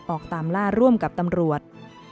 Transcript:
ออกตามล่าร่วมกับตำรวจ